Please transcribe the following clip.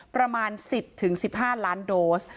ประมาณ๑๐๑๕ล้านโดส